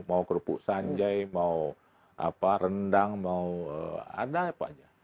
mau kerupuk sanjai mau rendang mau ada apa aja